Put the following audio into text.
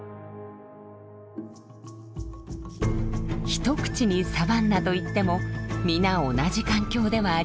一口にサバンナと言っても皆同じ環境ではありません。